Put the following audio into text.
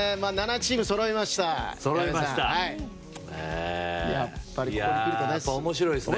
チームそろいましたね。